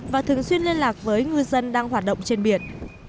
và thường xuyên liên lạc với ngư dân đang hoạt động trên biển